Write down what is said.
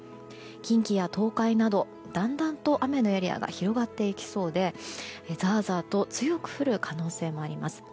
近畿や東海などだんだんと雨のエリアが広がっていきそうでザーザーと強く降る可能性があります。